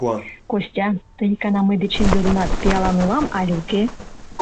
— Костя, тый икана мый дечем йодынат, пиалан улам але уке.